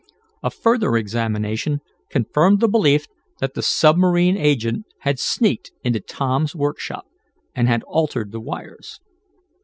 A further examination confirmed the belief that the submarine agent had sneaked into Tom's workshop, and had altered the wires.